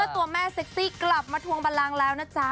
ตัวแม่เซ็กซี่กลับมาทวงบันลังแล้วนะจ๊ะ